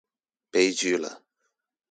杯具了